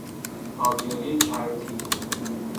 آبیاری کرتی